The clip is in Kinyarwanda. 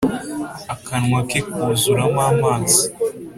Akanwa ke kuzuramo amazi,